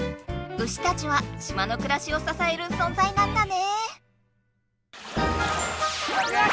牛たちは島のくらしをささえるそんざいなんだね。